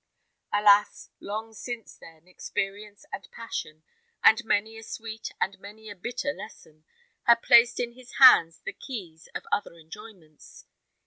Alas! long since then, experience and passion, and many a sweet and many a bitter lesson, had placed in his hands the keys of other enjoyments.